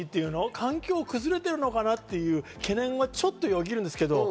環境が崩れてるのかなっていう懸念はちょっとよぎるんですけど。